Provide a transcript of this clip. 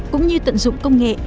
cũng như tận dụng công nghệ